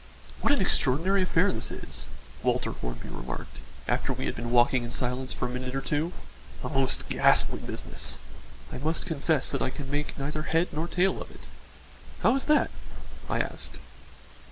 "What an extraordinary affair this is," Walter Hornby remarked, after we had been walking in silence for a minute or two; "a most ghastly business. I must confess that I can make neither head nor tail of it." "How is that?" I asked.